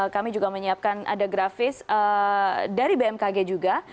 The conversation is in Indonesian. kami juga menyiapkan ada grafis dari bmkg juga